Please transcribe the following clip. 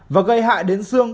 và gây hại đến xương